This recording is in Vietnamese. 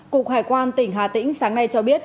cục hải quan tỉnh hà tĩnh sáng nay cho biết